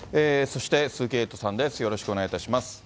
そして、鈴木エイトさんです。